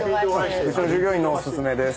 うちの従業員のお薦めです。